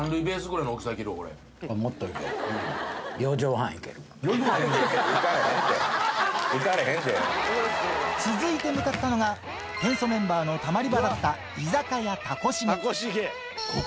いかれへん続いて向かったのが、天素メンバーのたまり場だった居酒屋たこしげ。